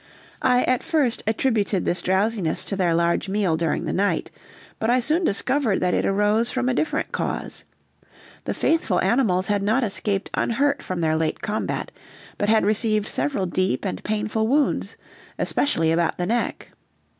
I at first attributed this drowsiness to their large meal during the night, but I soon discovered that it arose from a different cause; the faithful animals had not escaped unhurt from their late combat, but had received several deep and painful wounds, especially about the neck.